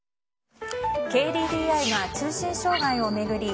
ＫＤＤＩが通信障害を巡り